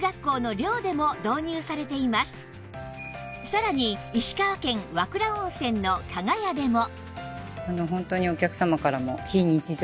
さらに石川県和倉温泉の加賀屋でも